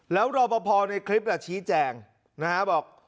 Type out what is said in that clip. แล้วรอปภในคลิปชี้แจงนะฮะบอก